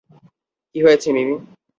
কী হয়েছে, মিমি?